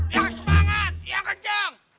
ya semangat ya kencang